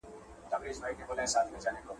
کشپ ګوری چي اسمان ته پورته کیږي ..